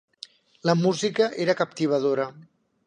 La música era captivadora.